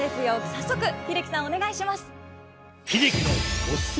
早速英樹さんお願いします。